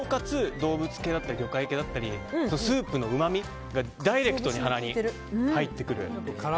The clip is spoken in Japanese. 動物系だったり魚介系だったりスープのうまみがダイレクトに鼻に入ってくる。